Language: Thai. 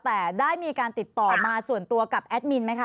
แต่ได้มีการติดต่อมาส่วนตัวกับแอดมินไหมคะ